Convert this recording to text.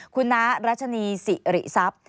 คุณน้ารัชนีศรีศัพท์